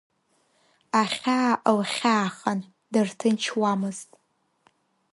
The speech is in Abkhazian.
Ахьаа лхьаахан, дарҭынчуамызт.